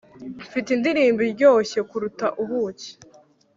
mfite indirimbo iryoshye kuruta ubucyi